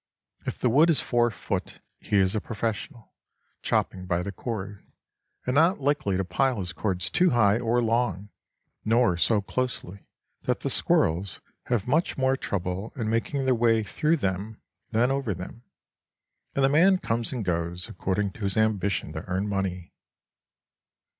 If the wood is four foot, he is a professional, chopping by the cord, and not likely to pile his cords too high or long, nor so closely that the squirrels have much more trouble in making their way through them than over them; and the man comes and goes according to his ambition to earn money.